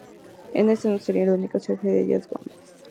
Ese no sería la única sugerencia de Dias Gomes.